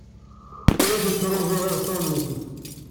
Ur asent-ttruẓuɣ iɣfawen-nsent.